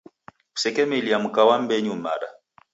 Kusekemilia mka wa mmbenyu mada